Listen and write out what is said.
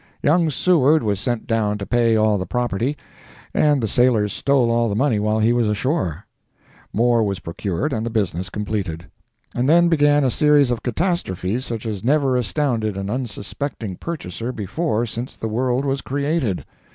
Young Seward was sent down to pay all the property, and the sailors stole all the money while he was ashore. More was procured and the business completed; and then began a series of catastrophes such as never astounded an unsuspecting purchaser before since the world was created.